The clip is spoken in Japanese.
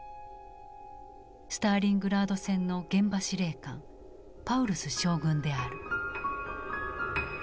スターリングラード戦の現場司令官パウルス将軍である。